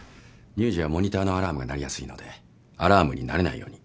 乳児はモニターのアラームが鳴りやすいのでアラームに慣れないように。